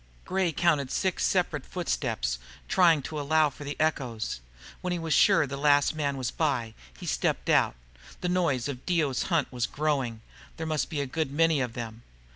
Gray counted six separate footsteps, trying to allow for the echoes. When he was sure the last man was by, he stepped out. The noise of Dio's hunt was growing there must be a good many of them.